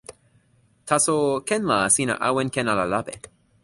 taso ken la sina awen ken ala lape.